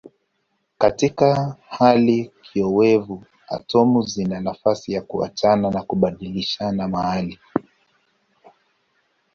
Katika hali kiowevu atomu zina nafasi ya kuachana na kubadilishana mahali.